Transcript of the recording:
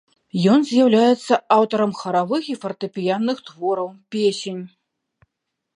Ён з'яўляецца аўтарам харавых і фартэпіянных твораў, песень.